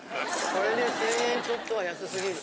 これで千円ちょっとは安すぎる。